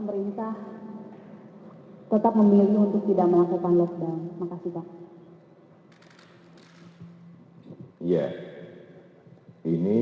bersama sama melawan covid sembilan belas ini